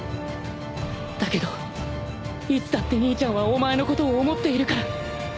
だけどいつだって兄ちゃんはお前のことを思っているから